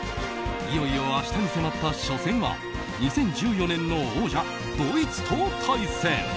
いよいよ明日に迫った初戦は２０１４年の王者ドイツと対戦。